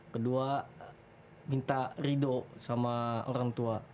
kedua minta ridho sama orang tua